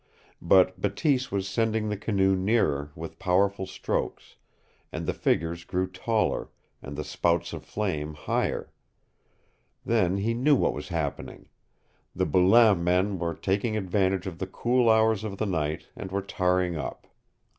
But Bateese was sending the canoe nearer with powerful strokes, and the figures grew taller, and the spouts of flame higher. Then he knew what was happening. The Boulain men were taking advantage of the cool hours of the night and were tarring up.